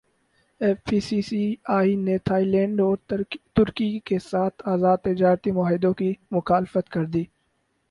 F P C C I نے Thailand اور ترکی کیساتھ ازاد تجارتی معاہدوں کی مخالفت کردی